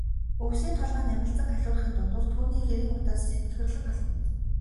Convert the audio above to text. Өвсний толгой намилзан халиурахын дундуур түүний гэрийн утаа цэнхэрлэн холдоно.